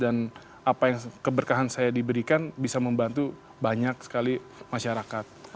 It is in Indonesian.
dan apa yang keberkahan saya diberikan bisa membantu banyak orang yang berpikir itu adalah keberkahan saya